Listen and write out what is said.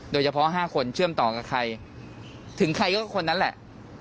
โดยเฉพาะ๕คนเชื่อมต่อกับใครถึงใครก็คนนั้นแหละ